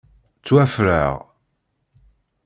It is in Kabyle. Ttwaffreɣ.